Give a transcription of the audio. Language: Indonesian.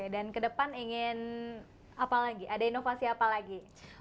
dan ke depan ingin apa lagi ada inovasi apa lagi